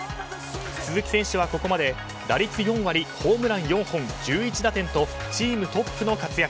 鈴木選手はここまで打率４割ホームラン４本１１打点とチームトップの活躍。